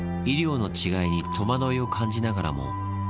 医療の違いに戸惑いを感じながらも。